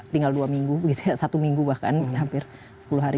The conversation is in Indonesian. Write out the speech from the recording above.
tinggal dua minggu bisa satu minggu bahkan hampir sepuluh hari